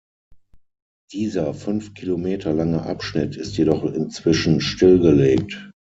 Dieser fünf Kilometer lange Abschnitt ist jedoch inzwischen stillgelegt.